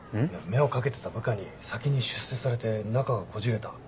目をかけてた部下に先に出世されて仲がこじれた。